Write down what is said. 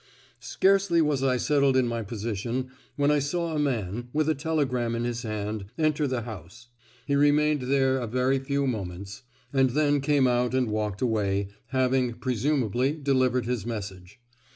Scarcely was I settled in my position when I saw a man, with a telegram in his hand, enter the house. He remained there a very few moments, and then came out and walked away, having, presumably, delivered his message.